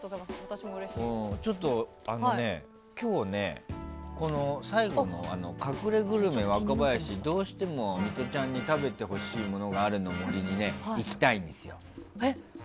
ちょっと、今日隠れグルメ若林どうしてもミトちゃんに食べてほしいモノがあるの森にいきたいんですよ。